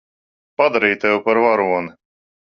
Padarīju tevi par varoni.